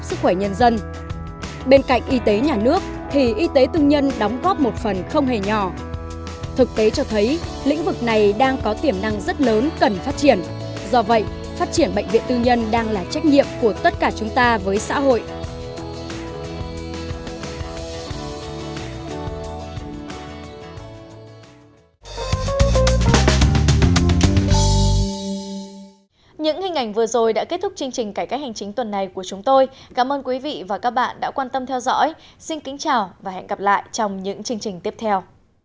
xin chào và hẹn gặp lại trong những chương trình tiếp theo